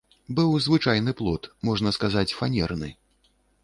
Быў звычайны плот, можна сказаць, фанерны.